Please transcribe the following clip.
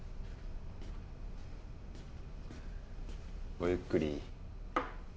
ごゆっくり。